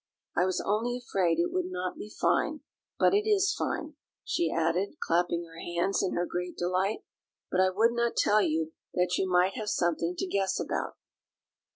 I was only afraid it would not be fine, but it is fine," she added, clapping her hands in her great delight; "but I would not tell you, that you might have something to guess about."